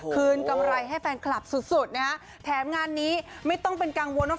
กำไรให้แฟนคลับสุดสุดนะฮะแถมงานนี้ไม่ต้องเป็นกังวลว่า